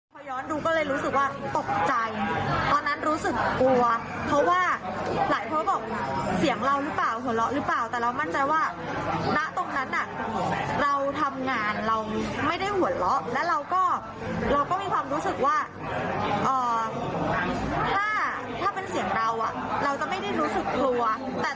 พอย้อนดูก็เลยรู้สึกว่าตกใจ